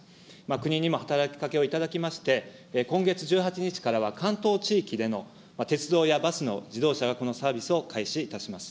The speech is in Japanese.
国にも働きかけをいただきまして、今月１８日からは、関東地域での鉄道やバスの事業者がこのサービスを開始いたします。